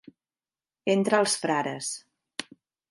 Entra els frares.